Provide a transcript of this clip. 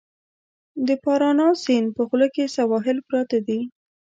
د پارانا سیند په خوله کې سواحل پراته دي.